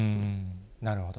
なるほど。